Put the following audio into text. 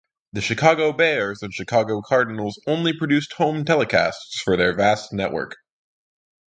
The Chicago Bears and Chicago Cardinals only produced home telecasts for their vast network.